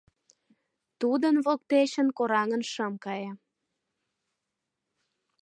Тудын воктечын кораҥын шым кае